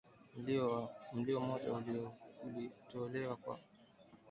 milioni moja zilitolewa kwa makampuni hayo Jumatatu kulipa sehemu ya deni hilo